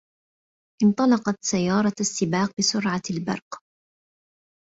انطلقت سيارة السباق بسرعة البرق.